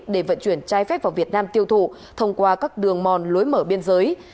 để vận chuyển trái phép vào việt nam tiêu thụ thông qua các đường mòn lối mở biên giới